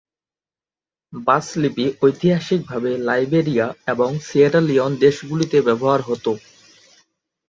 বাস লিপি ঐতিহাসিকভাবে লাইবেরিয়া এবং সিয়েরা লিওন দেশগুলিতে ব্যবহার হতো।